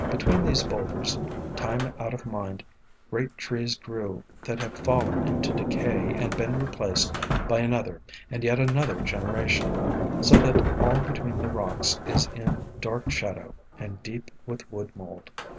Between these boulders, time out of mind, great trees grew that have fallen into decay and been replaced by another and yet another gener ation, so that all between the rocks is in dark shadow, and deep with wood mold.